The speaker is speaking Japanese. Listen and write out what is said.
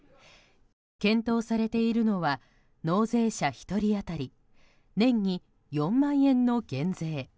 検討されているのは納税者１人当たり年に４万円の減税。